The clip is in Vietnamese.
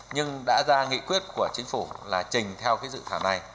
nhưng đã ra nghị quyết của chính phủ là trình theo cái dự thảo này